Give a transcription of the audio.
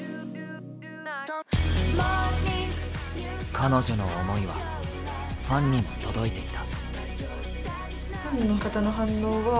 彼女の思いは、ファンにも届いていた。